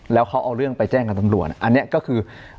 แล้วเขาเอาเรื่องไปแจ้งกับตำรวจอันนี้ก็คือ